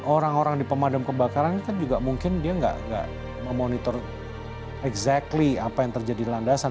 orang orang di pemadam kebakaran kan juga mungkin dia nggak memonitor exactly apa yang terjadi di landasan